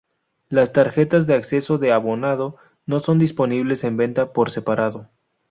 Las tarjetas de acceso de abonado no son disponibles en venta por separado.